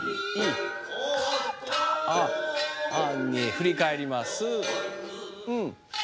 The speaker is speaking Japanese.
振り返ります。